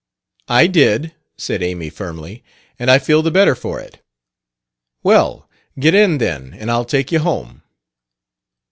"I did," said Amy firmly; "and I feel the better for it." "Well, get in, then, and I'll take you home."